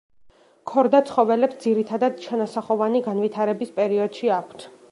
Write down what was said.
ქორდა ცხოველებს ძირითადად ჩანასახოვანი განვითარების პერიოდში აქვთ.